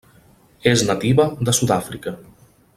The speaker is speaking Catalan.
És nativa de Sud-àfrica.